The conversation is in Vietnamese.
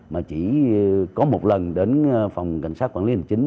mà chỉ có một lần đến phòng cảnh sát quản lý hành chính